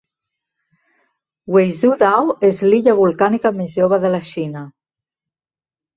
Weizhou Dao és l'illa volcànica més jove de la Xina.